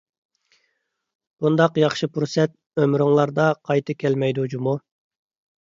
بۇنداق ياخشى پۇرسەت ئۆمرۈڭلاردا قايتا كەلمەيدۇ جۇمۇ!